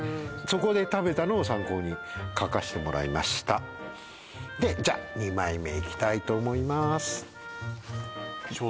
そこで食べたのを参考に描かせてもらいましたでじゃあ２枚目いきたいと思います